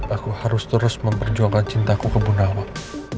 aku harus terus memperjuangkan cintaku ke bundawang